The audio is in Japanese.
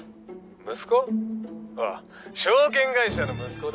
息子？あっ証券会社の息子だ。